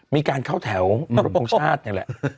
มีการเข้าแถวมารบทรงชาตินี่แหละ